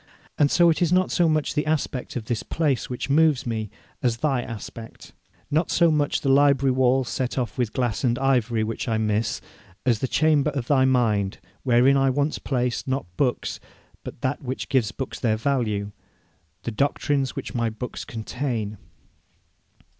And so it is not so much the aspect of this place which moves me, as thy aspect; not so much the library walls set off with glass and ivory which I miss, as the chamber of thy mind, wherein I once placed, not books, but that which gives books their value, the doctrines which my books contain.